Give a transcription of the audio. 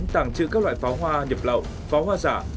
tàng trữ các loại pháo hoa nhập lậu pháo hoa giả